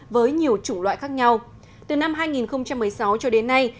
với nhiều chủng loại khác nhau từ năm hai nghìn một mươi sáu cho đến nay